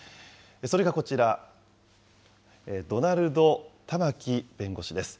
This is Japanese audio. それがこちら、ドナルド・タマキ弁護士です。